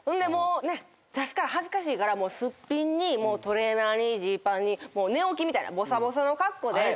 出すから恥ずかしいからすっぴんにトレーナーにジーパンにもう寝起きみたいなぼさぼさの格好で。